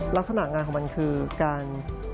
ลักษณะงานของมันคือการ